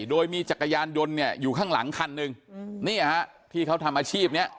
โดยมีจักรยานยนต์เนี่ยอยู่ข้างหลังคันหนึ่งนี่ฮะที่เขาทำอาชีพนี้